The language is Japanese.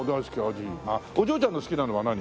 お嬢ちゃんの好きなのは何？